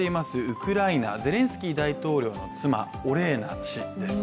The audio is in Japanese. ウクライナ・ゼレンスキー大統領の妻、オレーナ氏です。